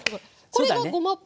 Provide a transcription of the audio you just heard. これがごま。